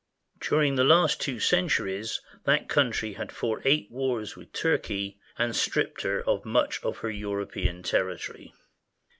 During the last two centuries that country has fought eight wars with Turkey and stripped her of much of her European territory.